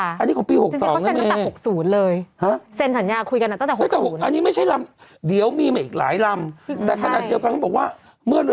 อันนี้ของปี๖๒นั่นเองเค้าเซ็นตั้งแต่๖๐เลยเซ็นสัญญาคุยกันตั้งแต่๖๐